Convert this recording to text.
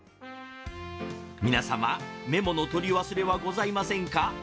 皆様メモの取り忘れはございませんか？